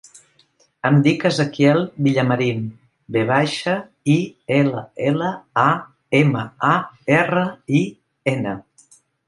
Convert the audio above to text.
Em dic Ezequiel Villamarin: ve baixa, i, ela, ela, a, ema, a, erra, i, ena.